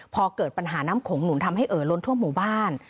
พอเกิดปัญหาน้ำโขงหนุนทำให้เอ่อล้นทั่วหมู่บ้าน